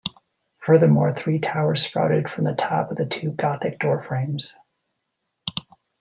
Furthermore, three towers sprouted from the top of the two Gothic doorframes.